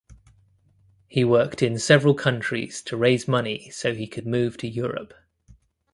He worked in several countries to raise money so he could move to Europe.